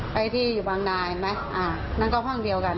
ไปที่บางนายไหมนั่นก็ห้องเดียวกัน